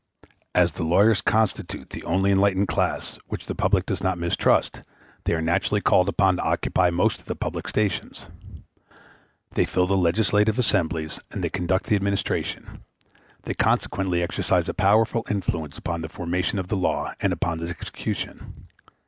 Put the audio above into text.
As the lawyers constitute the only enlightened class which the people does not mistrust, they are naturally called upon to occupy most of the public stations. They fill the legislative assemblies, and they conduct the administration; they consequently exercise a powerful influence upon the formation of the law, and upon its execution.